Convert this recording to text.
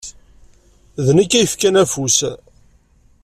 D nekk ay yefkan afus.